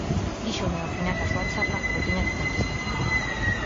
Díxome ao final da súa charla o que tiña que contestar.